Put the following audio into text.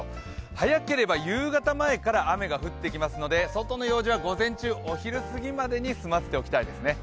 早ければ夕方前から雨が降ってきますので、外の用事は午前中、お昼過ぎまでに済ませておきたいですね。